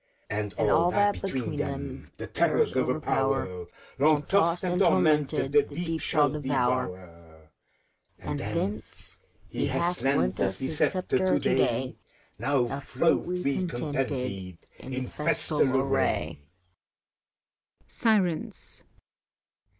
And all that, between them, the terrors o'erpower, Long tossed and tormented, the Deep shall devour; And thence he hath lent us his sceptre to day. — Now float we contented, in festal array.